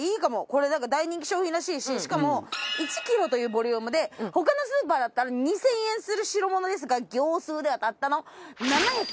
これなんか大人気商品らしいししかも１キロというボリュームで他のスーパーだったら２０００円する代物ですが業スーではたったの７５３円！